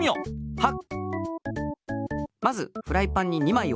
はっ。